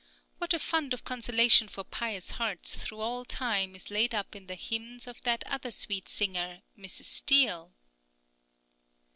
What a fund of consolation for pious hearts through all time is laid up in the hymns of that other sweet singer, Mrs. Steele?